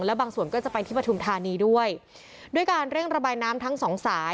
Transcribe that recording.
และบางส่วนก็จะไปที่ปฐุมธานีด้วยด้วยการเร่งระบายน้ำทั้งสองสาย